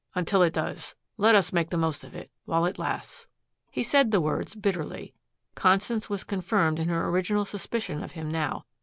Until it does let us make the most of it while it lasts." He said the words bitterly. Constance was confirmed in her original suspicion of him now.